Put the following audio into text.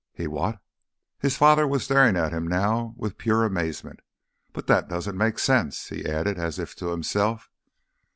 "He what—?" His father was staring at him now with pure amazement. "But that doesn't make sense," he added as if to himself.